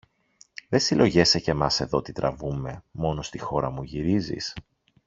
Δε συλλογιέσαι και μας εδώ τι τραβούμε, μόνο στη χώρα μου γυρίζεις;